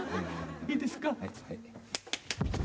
いいですか？